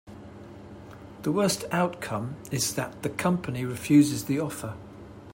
The worst outcome is that the company refuses the offer.